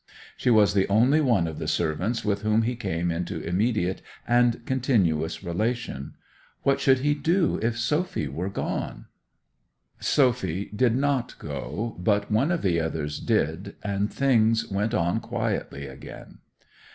She was the only one of the servants with whom he came into immediate and continuous relation. What should he do if Sophy were gone? Sophy did not go, but one of the others did, and things went on quietly again.